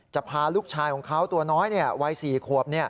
พาลูกชายของเขาตัวน้อยวัย๔ขวบ